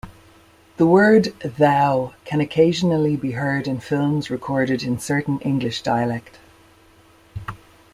The word "thou" can occasionally be heard in films recorded in certain English dialect.